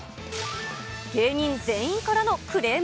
芸人全員からのクレーム？